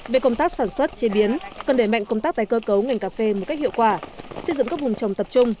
về công tác sản xuất chế biến cần đẩy mạnh công tác tài cơ cấu ngành cà phê một cách hiệu quả xây dựng các vùng trồng tập trung